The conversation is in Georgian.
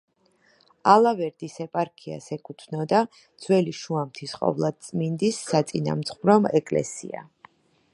ალავერდის ეპარქიას ეკუთვნოდა: ძველი შუამთის ყოვლადწმინდის საწინამძღვრო ეკლესია.